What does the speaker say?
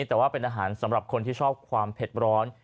แต่ว่าเป็นอาหารสำหรับคนที่ชอบความเผ็ดร้อน